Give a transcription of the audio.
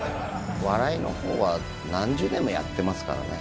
笑いのほうは、何十年もやってますからね。